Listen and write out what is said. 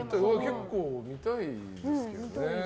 結構見たいですけどね。